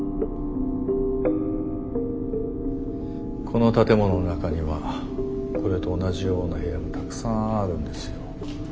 この建物の中にはこれと同じような部屋がたくさんあるんですよ。